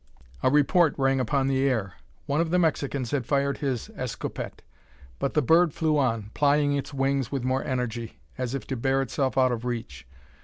A report rang upon the air. One of the Mexicans had fired his escopette; but the bird flew on, plying its wings with more energy, as if to bear itself out of reach.